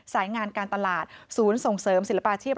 สายงานการตลาดศูนย์ส่งเสริมศิลปาชีพ